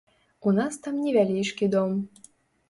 У нас там невялічкі дом.